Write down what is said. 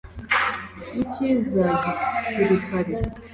icy’iza gisirikare